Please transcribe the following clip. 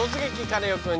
カネオくん」。